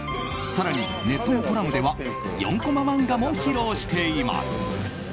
更に、ネットのコラムでは４コマ漫画も披露しています。